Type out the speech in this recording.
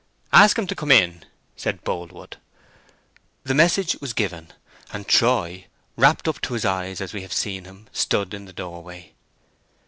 "Ask him to come in," said Boldwood. The message was given, and Troy, wrapped up to his eyes as we have seen him, stood in the doorway.